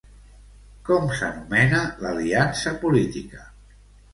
Com s'anomena l'aliança política?